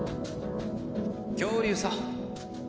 恐竜さ。